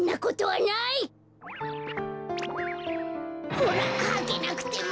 ほらはけなくても。